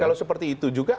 kalau seperti itu juga